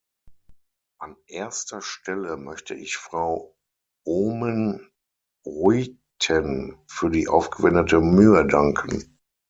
An erster Stelle möchte ich Frau Oomen-Ruijten für die aufgewendete Mühe danken.